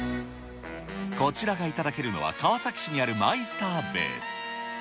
こちらが頂けるのは、川崎市にあるマイスターベース。